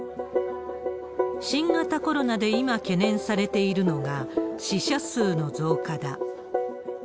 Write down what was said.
新型コロナで今懸念されているのが、死者数の増加だ。